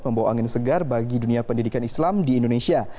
membawa angin segar bagi dunia pendidikan islam di indonesia